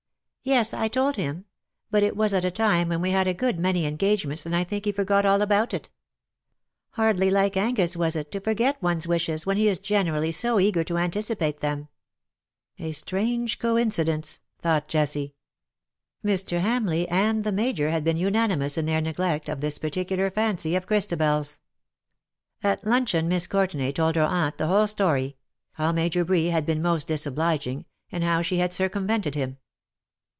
" Yes, I told him ; but it was at a time when we had a good many engagements, and I think he forgot all about it. Hardly like Angus, was it, to forget one's wishes, when he is generally so eager to anticipate them T^ ''A strange coincidence \'' thought Jessie. Mr. 208 CUPID AND PSYCHE. Hamleigh and the Major had been unanimous in their neglect of this particular fancy of Chris tabePs. At luncheon Miss Courtenay told her aunt the ">vhole story — how Major Bree had been most dis obliging^ and how she had circumvented him.